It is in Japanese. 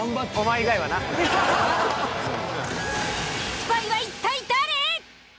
スパイは一体誰！？